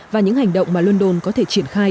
và những hành động mà london có thể triển khai